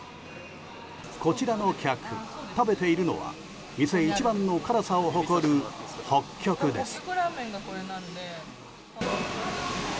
こちらの客、食べているのは店一番の辛さを誇る北極です。